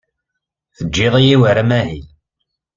Teǧǧid-iyi war amahil.